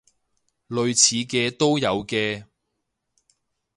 類似嘅都有嘅